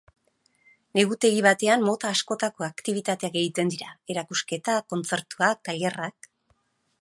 Negutegi batean mota askotako aktibitateak egiten dira: erakusketak, kontzertuak, tailerrak.